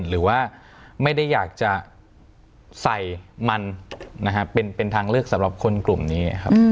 หรือว่าไม่ได้อยากจะใส่มันเป็นทางเลือกสำหรับคนกลุ่มนี้ครับ